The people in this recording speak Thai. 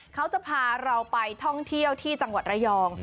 เขาจะพาเราไปท่องเที่ยวที่จังหวัดระยอง